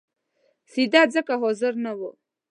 سید ځکه حاضر نه وو.